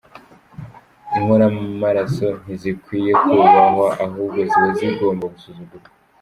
Inkoramaraso ntizikwiye kubahwa, ahubwo ziba zigomba gusuzugurwa.